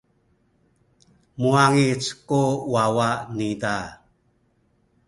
muwangic ku wawa niza.